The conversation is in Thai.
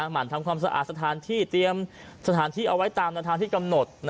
หั่นทำความสะอาดสถานที่เตรียมสถานที่เอาไว้ตามในทางที่กำหนด